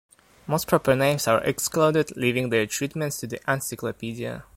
Most proper names are excluded, leaving their treatment to the encyclopedia.